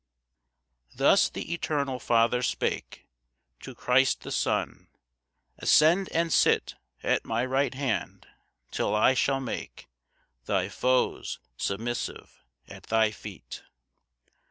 1 Thus the eternal Father spake To Christ the Son, "Ascend and sit "At my right hand, till I shall make "Thy foes submissive at thy feet.